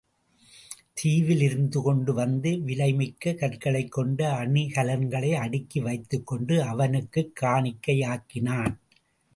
தீவில் இருந்து கொண்டு வந்த விலை மிக்க கற்களைக் கொண்ட அணிகலன்களை அடுக்கி வைத்துக் கொண்டு அவனுக்குக் காணிக்கையாக்கினான்.